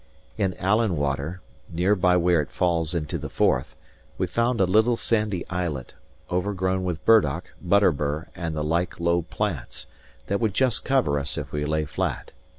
In Allan Water, near by where it falls into the Forth, we found a little sandy islet, overgrown with burdock, butterbur and the like low plants, that would just cover us if we lay flat.